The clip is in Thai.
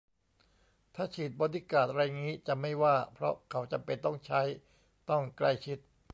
ถ้าฉีดบอดี้การ์ดไรงี้จะไม่ว่า เพราะเขาจำเป็นต้องใช้ ต้องใกล้ชิด